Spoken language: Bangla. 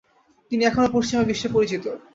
তিনি এখনও পশ্চিমা বিশ্বে পরিচিত।